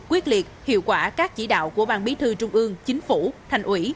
quyết liệt hiệu quả các chỉ đạo của ban bí thư trung ương chính phủ thành ủy